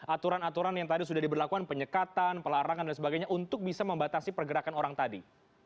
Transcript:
aturan aturan yang tadi sudah diberlakukan penyekatan pelarangan dan sebagainya untuk bisa membatasi pergerakan orang tadi